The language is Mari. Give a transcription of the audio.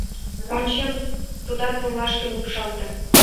Ончем — тудат пурлашке лупшалте.